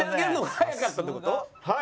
はい。